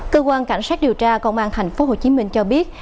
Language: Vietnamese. cơ quan cảnh sát điều tra công an thành phố hồ chí minh cho biết